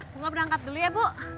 semoga berangkat dulu ya bu